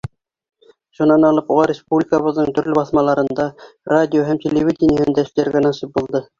Шунан алып уға республикабыҙҙың төрлө баҫмаларында, радио һәм телевидениеһында эшләргә насип булды.